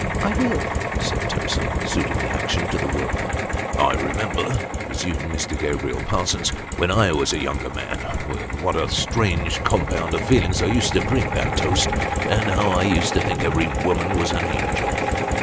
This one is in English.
" I will," said Timson, suiting the action to the word. " I remember," resumed Mr. Gabriel Parsons, " when I was a younger man, with what a strange compound of feelings I used to drink that toast, and how I used to think every woman was an angel."